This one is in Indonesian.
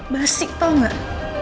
basik tau nggak